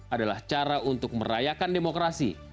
adalah cara untuk merayakan demokrasi